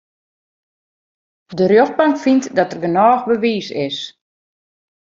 De rjochtbank fynt dat der genôch bewiis is.